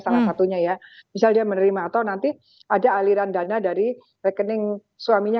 salah satunya ya misal dia menerima atau nanti ada aliran dana dari rekening suaminya